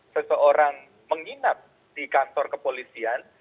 seseorang menginap di kantor kepolisian